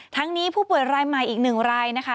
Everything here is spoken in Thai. ทั้งนี้ผู้ป่วยรายใหม่อีกหนึ่งรายนะคะ